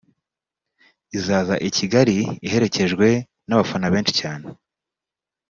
izaza i Kigali iherekejwe n’abafana benshi cyane